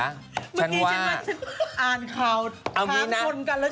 เมื่อกี้ฉันมาฉันอ่านข่าวถามคนกันแล้ว